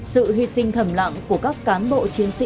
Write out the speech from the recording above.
sự hy sinh thầm lạng của các cán bộ